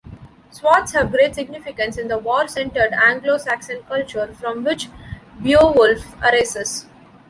Swords have great significance in the war-centred Anglo-Saxon culture from which "Beowulf" arises.